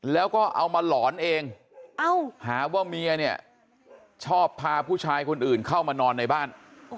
แล้วก็เอามาหลอนเองหาว่าเมียเนี่ยชอบพาผู้ชายคนอื่นเข้ามานอนในบ้าน